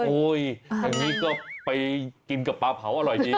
โอ๊ยอันนี้ก็ไปกินกับปลาเผาอร่อยจริง